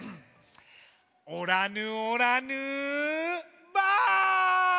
「おらぬおらぬばぁ！」。